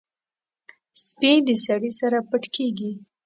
سپي د سړي سره پټ کېږي.